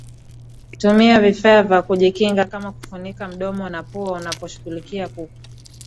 Tumia vifaa vya kujikinga kama kufunika mdoma na pua unaposhughulikia kuku